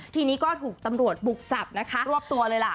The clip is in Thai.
ทีนี้ก็ถูกตำรวจบุกจับนะคะรวบตัวเลยล่ะ